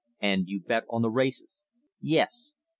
"And you bet on the races?" "Yes."